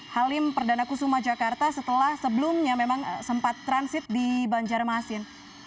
halim perdana kusuma jakarta setelah sebelumnya memang sempat transit di banjarmasin